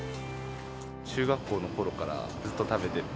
中学校のころからずっと食べてる。